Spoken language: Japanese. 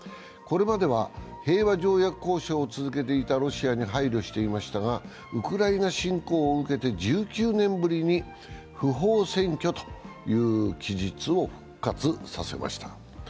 これまでは平和条約交渉を続けていたロシアに配慮していましたがウクライナ侵攻を受けて１９年ぶりに「不法占拠」という記述を復活させました。